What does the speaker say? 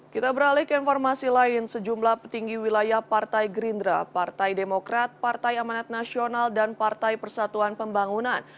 kita beralih ke informasi lain sejumlah petinggi wilayah partai gerindra partai demokrat partai amanat nasional dan partai persatuan pembangunan